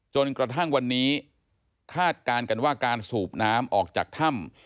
จนกระทั่งวันนี้คาดการณ์กันว่าการสูบน้ำออกจากถ้ำ